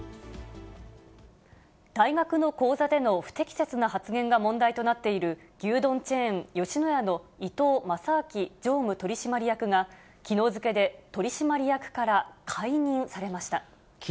大学の講座での不適切な発言が問題となっている牛丼チェーン、吉野家の伊東正明常務取締役が、きのう付けで取締役から解任されました。